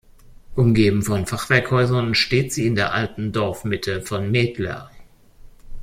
Umgeben von Fachwerkhäusern steht sie in der alten Dorfmitte von Methler.